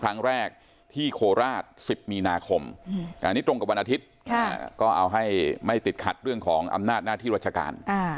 อันนี้ตรงกับวันอาทิตย์ก็เอาให้ไม่ติดขัดเรื่องของอำนาจหน้าที่ราชการ